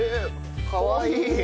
かわいい！